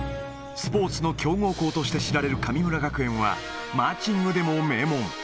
スポーツの強豪校として知られる神村学園は、マーチングでも名門。